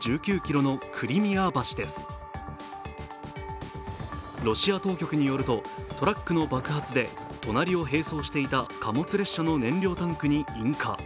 ロシア当局によると、トラックの爆発で隣を併走していた貨物列車の燃料タンクに引火。